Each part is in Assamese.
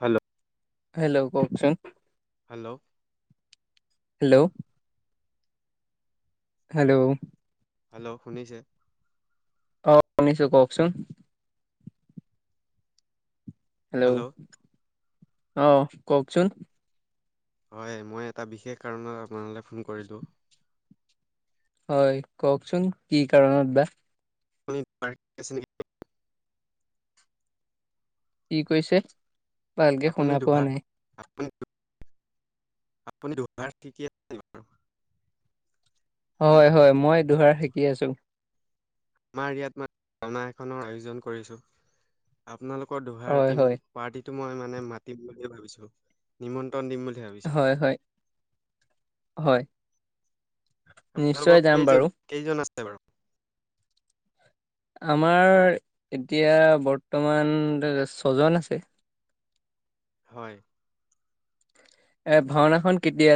হেল্ল'। হেল্ল' কওঁকচোন। হেল্ল'। হেল্ল' হেল্ল' হেল্ল' শুনিছে অ শুনিছো কওকচোন হেল্ল' অ কওকচোন হয় মই এটা বিশেষ কাৰণত আপোনালৈ ফোন কৰিলোঁ হয় কওকচোন কি কাৰণত বা [unintelligible] কি কৈছে ভালকে আপুনি শুনা [inaudible] পোৱা নাই আপুনি দুহাৰ [inaudible] হয় হয় মই দুহাৰ [unintelligible] শিকি আছো আমাৰ ইয়াত ভাওনা [unintelligible] এখনৰ আয়োজন কৰিছো আপোনালোকৰ দোহাৰ হয় টিম হয় পাৰ্টিটো মই মানে মাতিম বুলিয়ে ভাবিছো নিমন্ত্ৰণ দিম বুলি ভাবিছোঁ হয় হয় হয় আপোনালোকৰ নিশ্চয় যাম কেইজন বাৰু কেইজন আছে বাৰু আমাৰ এতিয়া বৰ্তমান ছজন আছে হয় এ ভাওনাখন কেতিয়া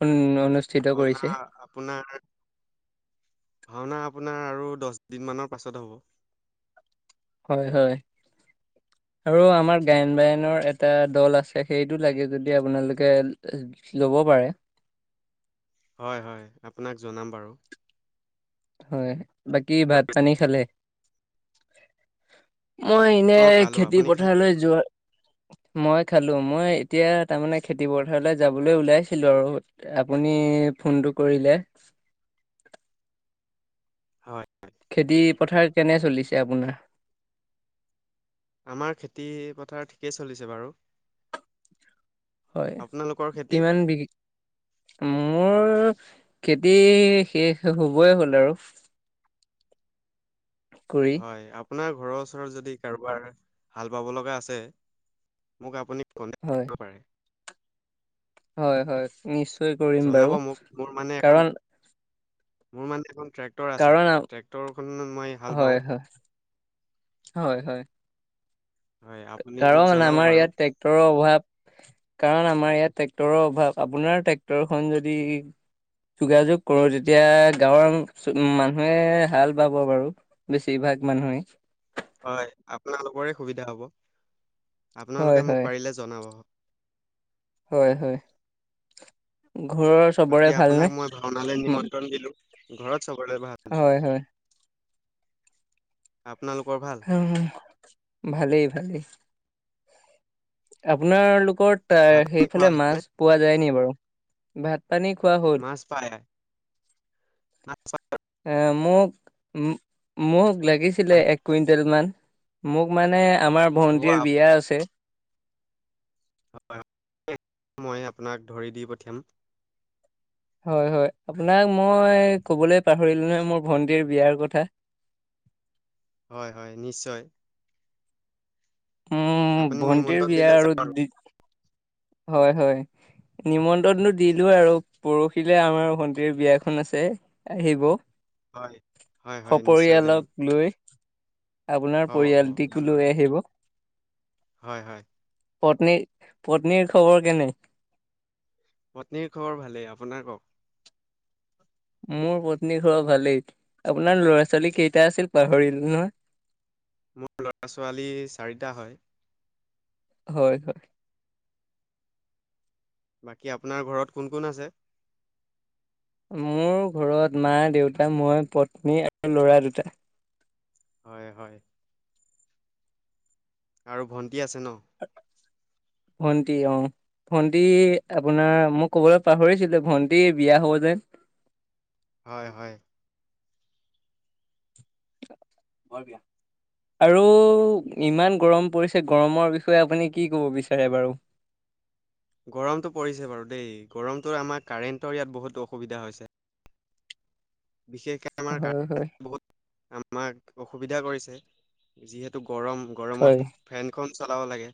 [unintelligible] ভাওনা আপোনাৰ ভাওনা আপোনাৰ আৰু দহদিনমানৰ পাছত হ'ব হয় হয় [unintelligible] আৰু আমাৰ গায়ন বায়নৰ এটা দল আছে সেইটো লাগে যদি আপোনালোকে ল'ব পাৰে হয় হয় আপোনাক জনাম বাৰু হয় বাকী ভাত পানী খালে মই এনে অ খালোঁ খেতি আপুনি খালে পথাৰলৈ যোৱা মই খালো মই এতিয়া তাৰমানে খেতি পথাৰলৈ যাবলৈ ওলাইছিলো আৰু আপুনি ফোনটো কৰিলে হয় হয় খেতি পথাৰ কেনে চলিছে আপোনাৰ আমাৰ খেতি পথাৰ ঠিকেই চলিছে বাৰু হয় আপোনালোকৰ খেতি? কিমান বি মোৰ খেতি শেষ হবই হ'ল আৰু কৰি হয় আ আপোনাৰ ঘৰৰ ওচৰত যদি কাৰোবাৰ হাল বাব লগা আছে মোক আপুনি কন্টেক হয় কৰিব পাৰে হয় হয় নিশ্চয় কৰিম জনাব বাৰু মোক, মোৰ মানে এখন কাৰণ মোৰ মানে এখন ট্ৰেক্টৰ আছে কাৰণ ট্ৰেক্টৰ খত মই হাল হয় বাওঁ হয় হয় হয় হয়, আপুনি মোক কাৰণ জনাব আমাৰ বাৰু। ইয়াত ট্ৰেক্টৰৰ অভাৱ কাৰণ আমাৰ ইয়াত ট্ৰেক্টৰৰ অভাৱ আপোনাৰ ট্ৰেক্টৰ খন যদি যোগাযোগ কৰোঁ তেতিয়া গাঁৱৰ মানুহে হাল বাব বাৰু বেছিভাগ মানুহে হয় আপোনালোকৰে সুবিধা হ'ব হয় আপোনালোকে মোক হয় পাৰিলে জনাব হয় হয় ঘৰৰ চবৰে বাকী ভালনে? আপোনাক মই ভাওনালে উম, নিমন্ত্ৰণ দিলো ঘৰত চাবৰে ভাল হয় হয় আপোনালোকৰ ভা অ ভালেই ভালেই আপোনালোকৰ তাৰ ভাত পানী খোৱা সেইফালে মাছ হ'লনে? পোৱা যায় নি বাৰু ভাত পানী খোৱা হ'ল পায় মাত চাত এ মোক মো মোক লাগিছিলে পাই। এক কুইণ্টেল মান মোক মানে আমাৰ হ'ব ভন্টীৰ আপ বিয়া আছে [unintelligible] মইয়ে আপোনাক ধৰি দি পঠিয়াম হয় হয় আপোনাক মই কবলৈ পাহৰিলো নহয় মোৰ ভন্টিৰ বিয়াৰ কথা হয় হয় নিশ্চয় উম আপুনি ভন্টিৰ নিমন্ত্ৰণ বিয়া দিলে যাম আৰু হয় হয় নিমন্ত্ৰণটো দিলো আৰু পৰহিলে আমাৰ ভণ্টিৰ বিয়াখন আছে আহিব হয় হয় হয় নিশ্চয় যাম সপৰিয়ালক লৈ আপোনাৰ হ'ব হ'ব যাম পৰিয়ালটিকো লৈ বাৰু আহিব হয় হয় পত্নী পত্নীৰ খবৰ কেনে পত্নীৰ খবৰ ভালেই আপোনাৰ ক'ক মোৰ পত্নী খবৰ ভালেই আপোনাৰ ল'ৰা ছোৱালী কেইটা আছিল পাহৰিলো নহয় মোৰ ল'ৰা ছোৱালী চাৰিটা হয় হয় হয় বাকী আপোনাৰ ঘৰত কোন কোন আছে মোৰ ঘৰত মা দেউতা মই পত্নী আৰু ল'ৰা দুটা হয় হয় আৰু ভণ্টি আছে ন ভণ্টী অ ভণ্টি আপোনাৰ মই ক'বলে পাহৰিছিলো ভণ্টি বিয়া হ'ব যে হয় হয় বৰ বিয়া আৰু ইমান গৰম পৰিছে গৰমৰ বিষয়ে আপুনি কি ক'ব বিচাৰে বাৰু গৰমটো পৰিছে বাৰু দেই গৰমটো আমাৰ কাৰেণ্টৰ ইয়াত বহুত অসুবিধা হৈছে বিশেষকে আমাৰ হয় কাৰে-ন হয়। বহুত আমাক অসুবিধা কৰিছে যিহেতু গৰম গৰমত হয় ফেনখন চলাব লাগে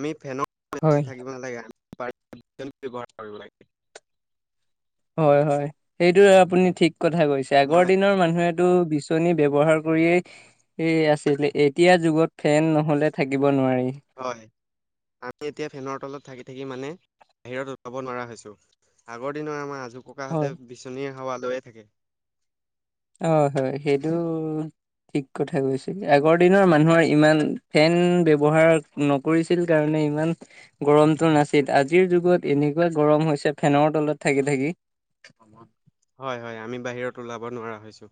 আমি ফেন বেচি থাকিব নালাগে [unintelligible] ব্যৱহাৰ কৰিব লাগে হয় হয় সেইটো আপুনি ঠিক কথা কৈছে আগৰ মই দিনৰ মানুহে টো বিচনী ব্যৱহাৰ কৰিয়েই এই আছিলে এতিয়া যুগত ফেন নহলে থাকিব নোৱাৰি হয় আমি এতিয়া ফেনৰ তলত থাকি থাকি মানে বাহিৰত ওলাব নোৱাৰা হৈছো আগৰ দিনৰ আমাৰ হয়। আজোককাহঁতে বিচনীৰ হাৱ লৈয়ে থাকে। হয় হয় সেইটো ঠিক কথা কৈছে আগৰ দিনৰ মানুহৰ ইমান ফেন ব্যৱহাৰ নকৰিছিল কাৰণে ইমান গৰমটো নাছিল, আজিৰ যুগত এনেকুৱা গৰম হৈছে, ফেনৰ তলত থাকি থাকি। [inaudible] হয় হয়, আমি বাহিৰত ওলাব নোৱাৰা হৈছোঁ,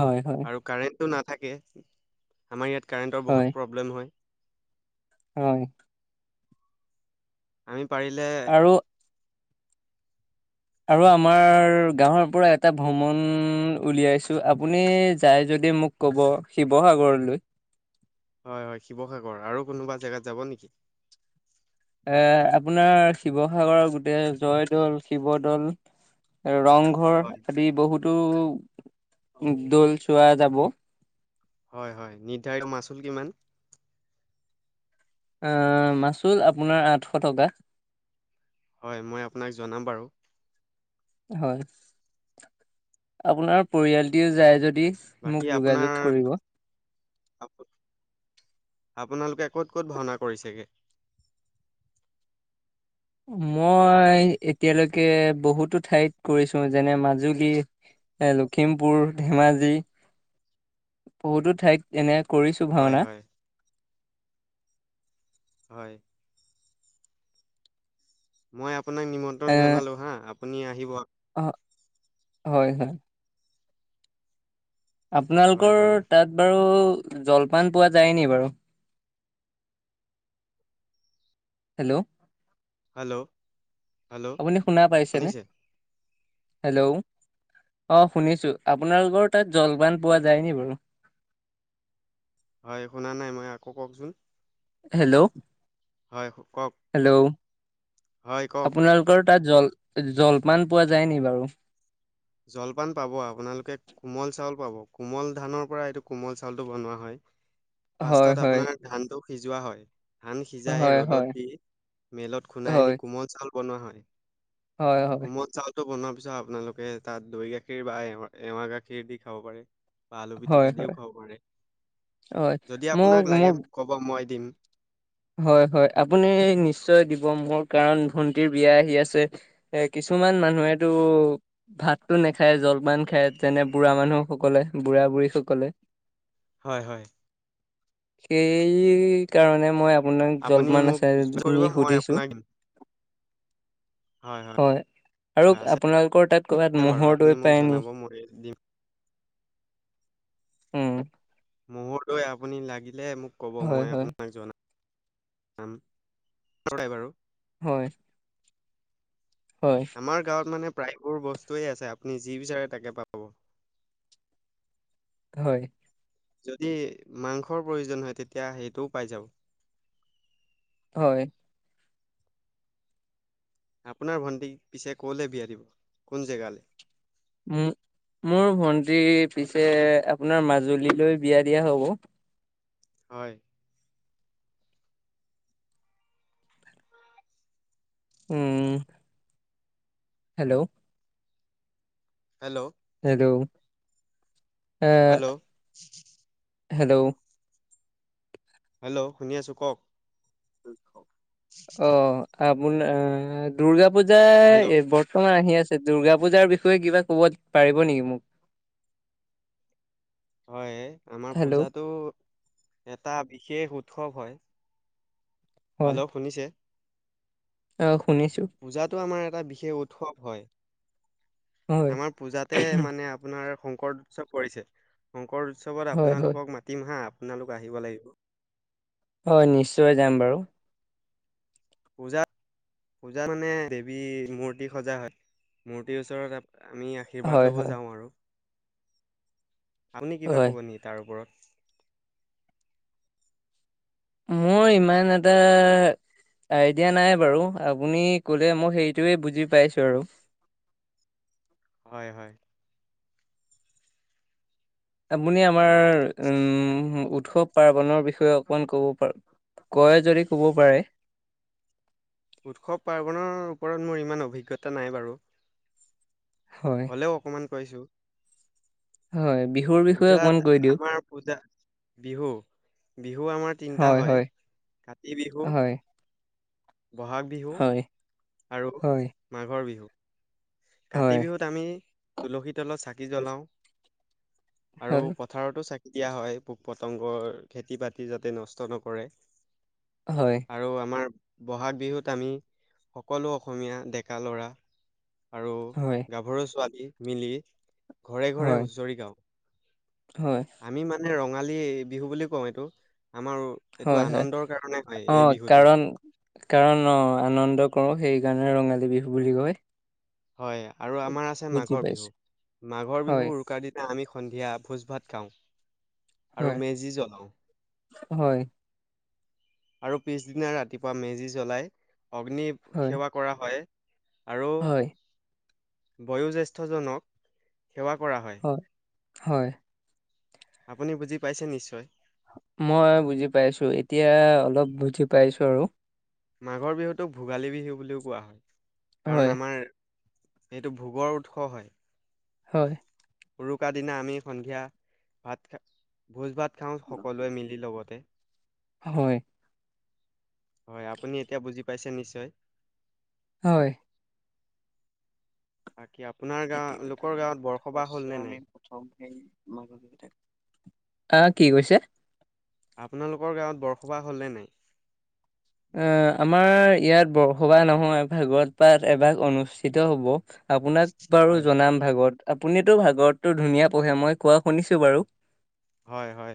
হয় হয় আৰু কাৰেণ্ট টো নাথাকে, আমাৰ ইয়াত কাৰেণ্টৰ হয় বহুত প্ৰব্লেম হয়। হয়। আমি পাৰিলে আৰু আৰু আমাৰ গাঁৱৰপৰা এটা ভ্ৰমণ উলিয়াইছোঁ, আপুনি যাই যদি মোক ক'ব, শিৱসাগৰলৈ। হয় হয় শিৱসাগৰ, আৰু কোনোবা জেগাত যাব নেকি? এ, আপোনাৰ শিৱসাগৰৰ গোটেই জয়দৌল, শিৱদৌল [unintelligible] ৰংঘৰ হয় আদি বহুতো দৌল চোৱা যাব। হয় হয়। নিৰ্ধাৰিত মাচুল কিমান? আ, মাচুল আপোনাৰ আঠশ টকা। হয়, মই আপোনাক জনাম বাৰু। হয়। আপোনাৰ পৰিয়ালটি যায় যদি মোক বাকী যোগাযোগ আপোনাৰ কৰিব আপোনালোকে ক'ত ক'ত ভাওঁনা কৰিছেগে? মই এতিয়ালৈকে বহুতো ঠাইত কৰিছোঁ যেনে মাজুলী। এ, লখিমপুৰ, ধেমাজি বহুতো ঠাইত এনে কৰিছোঁ হয় ভাওঁনা। হয় হয়। মই আপোনাক এ নিমন্ত্ৰণ জনালোঁ হা, আপুনি আহিব। অ' হয় হয়। হয় আপোনালোকৰ বাৰু। তাত বাৰু জলপান পোৱা যায় নি বাৰু? হেল্ল'। হেল্ল'। হেল্ল' আপুনি শুনা পাইছেনে? শুনিছে? হেল্ল'। অ' শুনিছোঁ। আপোনালোকৰ তাত জলপান পোৱা যায় নি বাৰু? হয় শুনা নাই মই, আকৌ কওকচোন। হেল্ল'। হয় কওক। হেল্ল'। হয় কওক। আপোনালোকৰ তাত জল জলপান পোৱা যায় নি বাৰু? জলপান পাব, আপোনালোকে কোমল চাউল পাব, কোমল ধানৰ পৰা এইটো কোমল চাউলটো বনোৱা হয়। হয় ফাৰ্ষ্টত হয় আপোনাৰ ধানটো সিজোৱা হয়। ধান সিজাই হয় ৰ'দত হয় দি, মিলত হয় খুনাই আনি হয় কোমল চাউল বনোৱা হয়। কোমল চাউলতটো বনোৱাৰ পিছত আপোনালোকে তাত দৈ গাখীৰ বা এ, এৱাহ গাখীৰ দি খাব পাৰে। বা আলু হয় পিটিকা হয় দিওঁ হয় খাব পাৰে। হয়। যদি মোক আপোনাক মোৰ লাগে মোক ক'ব, মই দিম। হয় হয়, আপুনি নিশ্চয় দিব মোৰ কাৰণ ভন্টিৰ বিয়া আহি আছে। এ, কিছুমান মানুহেতো ভাতটো নাখায় জলপান খায় যেনে বুঢ়া মানুহসকলে, বুঢ়া বুঢ়ীসকলে। হয় হয়। সেইকাৰণে মই আপোনাক আপুনি জলপান মোক আছে যোগাযোগ কৰিব নি মই সুধিছোঁ। আপোনাক দিম হয় হয়। আৰু আছে আপোনালোকৰ তাত ক'ৰবাত বাৰু ম'হৰ আপুনি দৈ মোক পায় নি? জনাব মই দিম উম। ম'হৰ দৈ আপুনি লাগিলে মোক ক'ব, হয় মই হয় আপোনাক জনা আম [inaudible] বাৰু। হয়। হয়। আমাৰ গাঁৱত মানে প্ৰায়বোৰ বস্তুৱেই আছে, আপুনি যি বিচাৰে তাকে পাব। হয়। যদি মাংসৰ প্ৰয়োজন হয় তেতিয়া সেইটোও পাই যাব। হয়। আপোনাৰ ভণ্টি, পিছে ক'লে বিয়া দিব? কোন জেগালে? মো - মোৰ ভন্টিৰ পিছে, আপোনাৰ মাজুলীলৈ বিয়া দিয়া হ'ব। হয়। উম। হেল্ল! হেল্ল! হেল্ল! এ', হেল্ল' হেল্ল! হেল্ল! শুনি আছোঁ কওক। অ', আপোনাৰ দুৰ্গা পূজাৰ হেল্ল' এই বৰ অ', আহি আছে, দূৰ্গা পূজাৰ বিষয়ে কিবা ক'ব পাৰিব নেকি মোক? [inaudible] হয়, আমাৰ হেল্ল' পূজাতো এটা বিশেষ উৎসৱ হয়। হয় ভালক শুনিছে? অ', শুনিছোঁ। পূজাটো আমাৰ এটা বিশেষ উৎসৱ হয়। হয়। আমাৰ পূজাতে মানে আ আপোনাৰ শংকৰ উৎসৱ পৰিছে। শংকৰ উৎসৱত হয় হয় আপোনালোকক মাতিম হাঁ। আপোনালোক আহিব লাগিব। হয়, নিশ্চয় যাম বাৰু। পূজা পূজা মানে দেৱীৰ মূৰ্তি সজা হয়। মূৰ্তিৰ ওচৰত আপ, আমি আহি আশীৰ্বাদ হয় ল'ব হয় যাওঁ আৰু আপুনি কিবা হয় ক'ব নেকি তাৰ ওপৰত? মই ইমান এটা আইডিয়া নাই বাৰু। আপুনি কলে মই সেইটোয়ে বুজি পাইছোঁ আৰু। হয়, হয়। আপুনি আমাৰ উম, উৎসৱ পাৰ্বনৰ বিষয়ে অকমান ক'ব পাৰ কয় যদি ক'ব পাৰে। উৎসৱ পাৰ্বণৰ ওপৰত মোৰ ইমান অভিজ্ঞতা নাই বাৰু। হয়। হ'লেও অকণমান কৈছোঁ। হয়, বিহু পূজাত আমাৰ পূজা। বিহু, বিহু আমাৰ তিনিটা হয়। কাতি বিহু, হয় বহাগ বিহু হয় আৰু হয় মাঘৰ বিহু। কাতি হয়, বিহুত আমি তুলসী তলত চাকি জ্বলাওঁ আৰু হয়, পথাৰতো চা দিয়া হয়, পোক - পতংগৰ খেতি -বাতি যাতে নষ্ট নকৰে। হয়। আৰু আমাৰ বহাগ বিহুত আমি সকলো অসমীয়া ডেকা ল'ৰা, আৰু হয়, গাভৰু ছোৱালী মিলি ঘৰে ঘৰে হয়, হুচৰি গাওঁ। হয়। আমি মানে ৰঙালী এই বিহু বুলি কওঁ এইটো। আমাৰ এইটো হয়, হয়। আনন্দৰ কাৰণে হয়। এই অ', বিহুটো। কাৰণ কাৰণ অ', আনন্দ কৰোঁ। সেইকাৰণে ৰঙালী বিহু বুলি কয়। হয়। আৰু আমাৰ আছে বুজি মাঘৰ বিহু। পাইছোঁ। মাঘৰ বিহু হয়, উৰুকা দি আমি সন্ধিয়া ভোজ ভাত খাওঁ। আৰু হয়, মেজি জ্বলাওঁ। হয়। আৰু পিছদিনা ৰাতিপুৱা মেজি জ্বলাই, অগ্নি হয়, সেৱা কৰা হয়। আৰু হয়, বয়োজ্যেষ্ঠজনক সেৱা কৰা হয়। হয় আপুনি বুজি পাইছে, নিশ্চয়! মই বুজি পাইছোঁ। এতিয়া অলপ বুজি পাইছোঁ আৰু। মাঘৰ বিহুটোক ভোগালী বিহু বুলিও কোৱা হয়, হয়, কাৰণ আমাৰ- এইটো ভোগৰ উৎস হয়। হয়। উৰুকা দিনা আমি সন্ধিয়া ভাত খা- ভোজ ভাত খাওঁ সকলোৱে মিলি লগতে। হয়। হয়, আপুনি এতিয়া বুজি পাইছে নিশ্চয়। হয়। বাকী আপোনাৰ খেতি গাঁৱ লোকৰ গাঁৱত বৰসবাহ হ'লনে নাই? আহ কি কৈছে? আপোনালোকৰ গাঁৱত বৰসবাহ হ'ল নে নাই? আ, আমাৰ ইয়াত বৰসবাহ নহয়, ভাগৱত পাথ এভাগ অনুষ্ঠিত হব। আপোনাক বাৰু হয় জনাম ভাগৱত, আপুনিতো ভাগৱতটো ধুনীয়া পঢ়ে, মই কোৱা শুনিছো বাৰু। হয় হয়।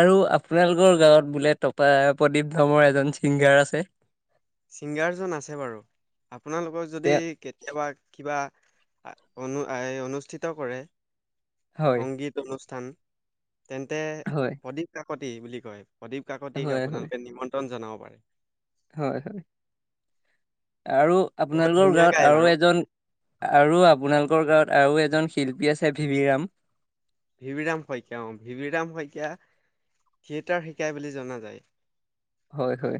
আৰু আপোনালোকৰ গাঁৱত বোলে টপা, প্ৰদীপ ধামৰ এজন ছিংগাৰ আছে? ছিংগাৰজন আছে বাৰু, আপোনালোকৰ যদি- তেওঁ কেতিয়াবা কিবা, অনু-অনুষ্ঠিত কৰে হয় সংগীত। অনুষ্ঠান, তেন্তে হয় প্ৰদীপ কাকতি বুলি কয়। প্ৰদীপ কাকতিক হয় হয় আপোনালোকে নিমন্ত্ৰণ জনাব পাৰে? হয়। আৰু, বহুত আপোনালোকৰ ধুনীয়া গাৱঁত গাই আৰু বাৰু এজন- আৰু, আপোনালোকৰ গাঁৱত আৰু এজন শিল্পী আছে, ভি ভি ৰাম। ভিভিৰাম শইকীয়া, অ, ভিভিৰাম শইকীয়া, থিয়েটাৰ শিকাই বুলি জনা যায়। হয় হয়।